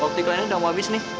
optic lainnya udah mau habis nih